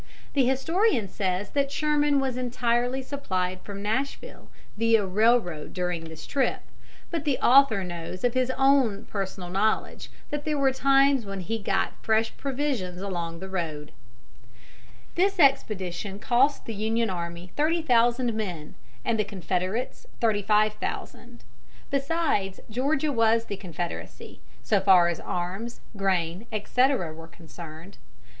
The historian says that Sherman was entirely supplied from Nashville via railroad during this trip, but the author knows of his own personal knowledge that there were times when he got his fresh provisions along the road. [Illustration: GETTING FRESH PROVISIONS ALONG THE ROAD.] This expedition cost the Union army thirty thousand men and the Confederates thirty five thousand. Besides, Georgia was the Confederacy, so far as arms, grain, etc., were concerned.